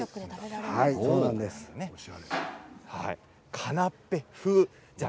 カナッペ風。